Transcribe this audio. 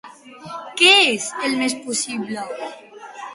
Què és, el més possible?